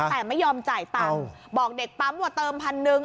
แต่ไม่ยอมจ่ายตังค์บอกเด็กปั๊มว่าเติมพันหนึ่ง